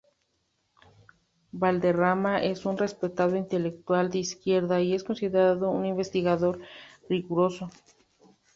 Valderrama es un respetado intelectual de izquierda y es considerado un investigador riguroso.